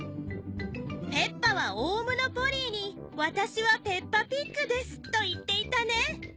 ペッパはオウムのポリーに私はペッパピッグですと言っていたね。